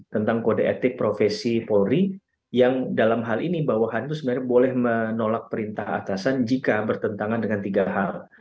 tentang kode etik profesi polri yang dalam hal ini bawahan itu sebenarnya boleh menolak perintah atasan jika bertentangan dengan tiga hal